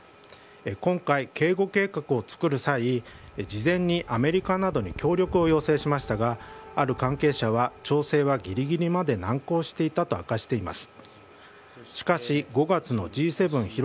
今回、警護計画を作る際事前にアメリカなどに協力を要請しましたがある関係者は、調整はギリギリまで難航していたと明かしています。